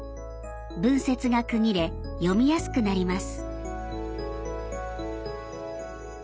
文節が区切れ読みやすくなります。